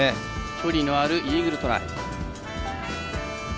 距離のあるイーグルトライ。